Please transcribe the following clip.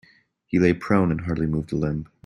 He lay prone and hardly moved a limb.